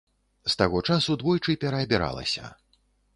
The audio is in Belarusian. З таго часу двойчы пераабіралася.